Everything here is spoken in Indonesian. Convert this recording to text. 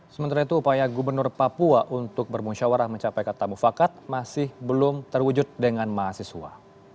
sementara itu upaya gubernur papua untuk bermusyawarah mencapai kata mufakat masih belum terwujud dengan mahasiswa